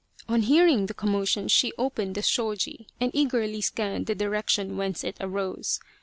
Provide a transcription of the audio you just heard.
On hearing the commotion she opened the sboji and eagerly scanned the direction whence it arose.